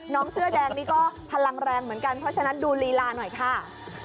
เสื้อแดงนี่ก็พลังแรงเหมือนกันเพราะฉะนั้นดูลีลาหน่อยค่ะ